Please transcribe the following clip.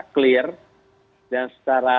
clear dan secara